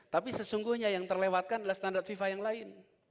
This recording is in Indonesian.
tapi sesungguhnya yang terlewatkan adalah standar fifa yang lain